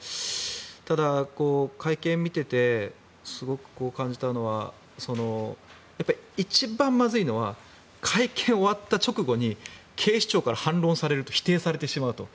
ただ、会見見ていてすごく感じたのは一番まずいのは会見が終わった直後に警視庁から反論される否定されてしまうと。